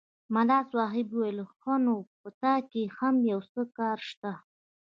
ملا صاحب وویل ښه! نو په تا کې هم یو څه کار شته.